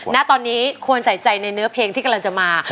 ณตอนนี้ควรใส่ใจในเนื้อเพลงที่กำลังจะมา